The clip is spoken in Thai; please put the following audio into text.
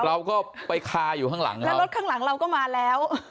เราก็ไปคาอยู่ข้างหลังแล้วรถข้างหลังเราก็มาแล้ว